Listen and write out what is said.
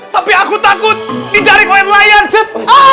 tapi aku takut di jaring oleh lion set